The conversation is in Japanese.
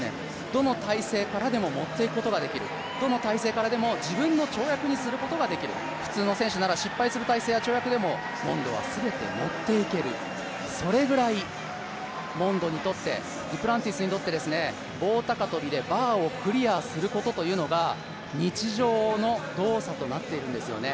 どの体勢からでも持っていくことができる、どの体勢からでも自分の跳躍にすることができる普通の選手なら失敗する体勢や跳躍でもモンドは全て持っていける、それぐらい、モンドにとって、デュプランティスにとって棒高跳でバーをクリアすることというのが日常の動作になっているんですよね。